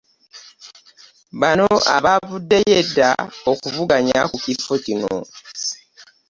Bano abaavuddeyo edda okuvuganya ku kifo kino